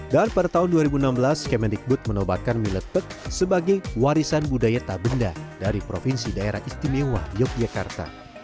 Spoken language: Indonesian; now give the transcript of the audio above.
dan pada tahun dua ribu enam belas kemendikbud menobatkan mie letek sebagai warisan budaya tabenda dari provinsi daerah istimewa yogyakarta